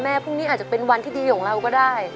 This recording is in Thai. พรุ่งนี้อาจจะเป็นวันที่ดีของเราก็ได้